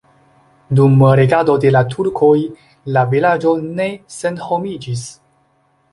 Dum regado de la turkoj la vilaĝo ne senhomiĝis.